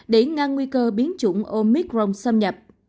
để ngăn nguy cơ biến chủng omicron